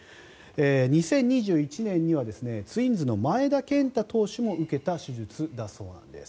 ２０２１年にはツインズの前田健太投手も受けた手術だそうです。